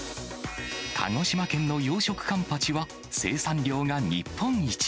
鹿児島県の養殖カンパチは生産量が日本一。